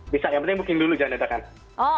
bisa yang penting booking dulu jangan dadakan